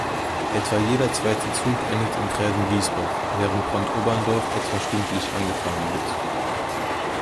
Etwa jeder zweite Zug endet in Grävenwiesbach, während Brandoberndorf etwa stündlich angefahren wird.